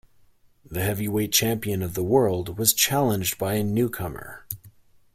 The heavyweight champion of the world was challenged by a newcomer.